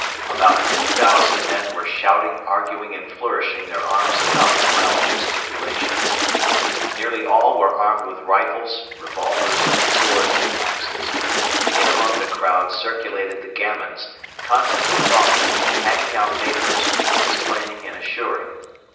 About two thousand men were shouting, arguing and flourishing their arms about in wild gesticulations. Nearly all were armed with rifles, revolvers, swords and axes. In among the crowd circulated the gamins, constantly talking, handing out papers, explaining and assuring.